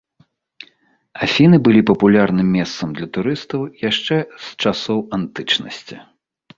Афіны былі папулярным месцам для турыстаў яшчэ з часоў антычнасці.